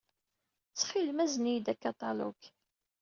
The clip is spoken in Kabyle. Ttxil-m, azen-iyi-d akaṭalug.